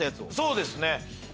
そうですね。